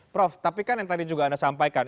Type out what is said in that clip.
prof tapi kan yang tadi juga anda sampaikan